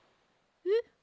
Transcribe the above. えっ？